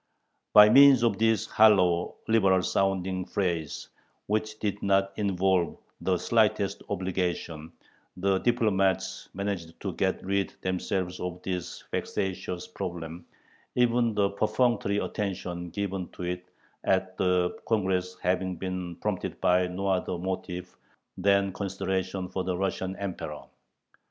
By means of this hollow, liberal sounding phrase, which did not involve the slightest obligation, the diplomats managed to rid themselves of this vexatious problem, even the perfunctory attention given to it at the Congress having been prompted by no other motive than consideration for the Russian Emperor.